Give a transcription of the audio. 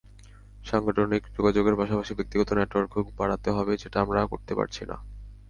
সাংগঠনিক যোগাযোগের পাশাপাশি ব্যক্তিগত নেটওয়ার্কও বাড়াতে হবে, যেটা আমরা করতে পারছি না।